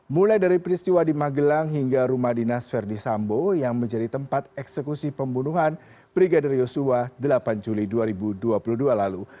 mulai dari peristiwa di magelang hingga rumah dinas verdi sambo yang menjadi tempat eksekusi pembunuhan brigadir yosua delapan juli dua ribu dua puluh dua lalu